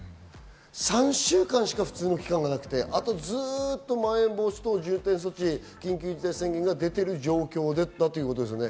３週間しか普通の期間がなくて、あとずっとまん延防止等重点措置、緊急事態宣言が出ている状況だということですね。